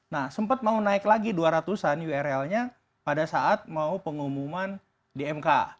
nah sempat mau naik lagi dua ratus an url nya pada saat mau pengumuman di mk